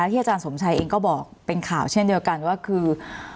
อาจารย์สมชัยเองก็บอกเป็นข่าวเช่นเดียวกันว่าคือ